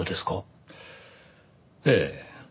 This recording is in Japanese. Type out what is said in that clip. ええ。